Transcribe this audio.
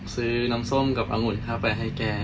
ซื้อน้ำส้มกับอังุฬค่ะไปให้แก